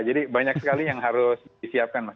jadi banyak sekali yang harus disiapkan pak